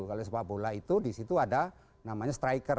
kalau sepak bola itu di situ ada namanya striker